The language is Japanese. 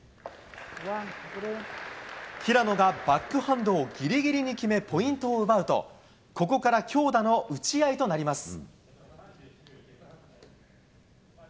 平野がバックハンドをぎりぎりに決め、ポイントを奪うと、ここから強打の打ち合いとなります。